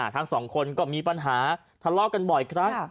ทั้งสองคนก็มีปัญหาทะเลาะกันบ่อยครั้ง